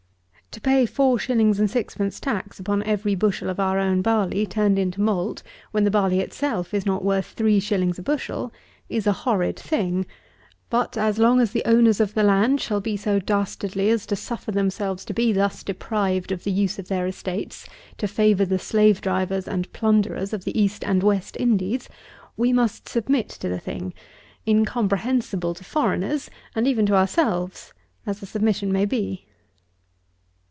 To pay 4_s._ 6_d._ tax upon every bushel of our own barley, turned into malt, when the barley itself is not worth 3_s._ a bushel, is a horrid thing; but, as long as the owners of the land shall be so dastardly as to suffer themselves to be thus deprived of the use of their estates to favour the slave drivers and plunderers of the East and West Indies, we must submit to the thing, incomprehensible to foreigners, and even to ourselves, as the submission may be.